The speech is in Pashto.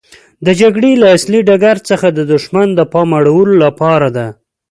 د جګړې له اصلي ډګر څخه د دښمن د پام اړولو لپاره ده.